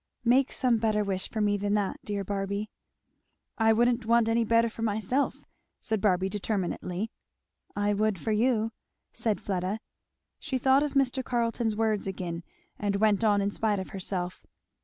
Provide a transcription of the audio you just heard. "Make some better wish for me than that, dear Barby." "I wouldn't want any better for myself," said Barby determinately. "I would for you," said Fleda. She thought of Mr. Carleton's words again, and went on in spite of herself.